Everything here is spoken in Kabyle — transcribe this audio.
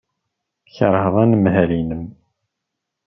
Tkeṛheḍ anemhal-nnem.